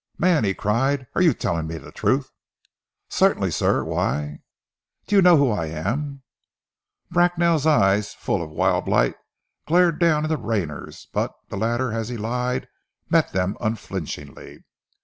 "Man," he cried, "are you telling me the truth?" "Certainly, sir! Why " "Do you know who I am?" Bracknell's eyes, full of wild light, glared down into Rayner's but the latter, as he lied, met them unflinchingly.